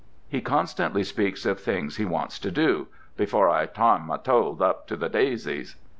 He constantly speaks of things he wants to do 'before I tarn my toes up to the daisies.'